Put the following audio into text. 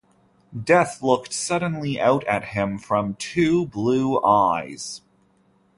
Death looked suddenly out at him from two blue eyes.